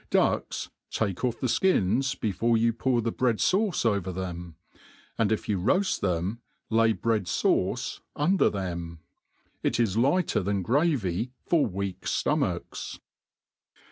Ducks, take off the ikins before you pour the bread fauce over them; and if you roaft them^ lay bread fauce under them* It is tighter than gravy for weak flomachs.